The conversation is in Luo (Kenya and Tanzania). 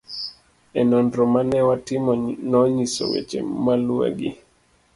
e Nonro ma ne watimo nonyiso weche maluwegi